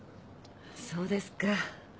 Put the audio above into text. そうですか。